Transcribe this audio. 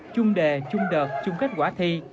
chung đề chung đợt chung kết quả thi